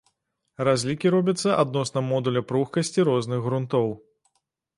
Разлікі робяцца адносна модуля пругкасці розных грунтоў.